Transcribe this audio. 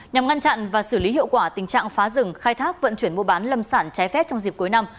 nhằm ngăn chặn và xử lý hiệu quả tình trạng phá rừng khai thác vận chuyển mua bán lâm sản trái phép trong dịp cuối năm